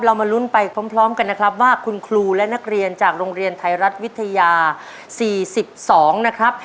มาลุ้นไปพร้อมกันนะครับว่าคุณครูและนักเรียนจากโรงเรียนไทยรัฐวิทยา๔๒นะครับ